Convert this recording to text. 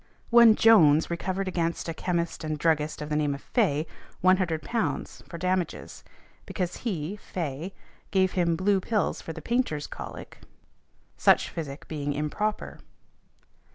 One Jones recovered against a chemist and druggist of the name of Fay, £100 for damages, because he, Fay, gave him blue pills for the painters' colic, such physic being improper .